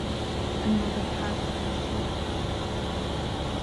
لِأَنَّ ذَا الْحَاجَةِ وُصُولٌ